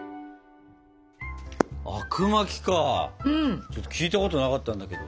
あくまきか聞いたことなかったんだけど。